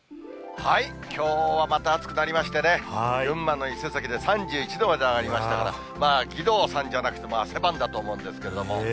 きょうはまた暑くなりましてね、群馬の伊勢崎で３１度まで上がりましたから、義堂さんじゃなくても汗ばんだと思うんですけれども。